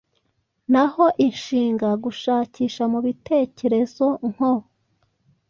naho inshinga "gushakisha mu bitekerezo" nko "